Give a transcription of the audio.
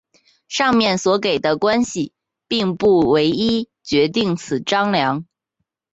上面所给的关系并不唯一决定此张量。